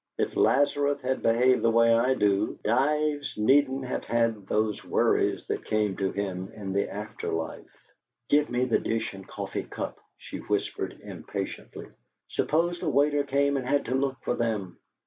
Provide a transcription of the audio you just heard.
If Lazarus had behaved the way I do, Dives needn't have had those worries that came to him in the after life." "Give me the dish and coffee cup," she whispered, impatiently. "Suppose the waiter came and had to look for them?